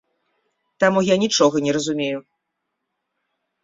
Таму я нічога не разумею.